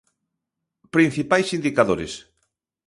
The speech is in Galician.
Principais indicadores.